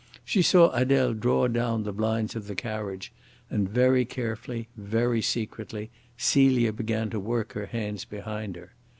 She saw Adele draw down the blinds of the carriage, and very carefully, very secretly, Celia began to work her hands behind her.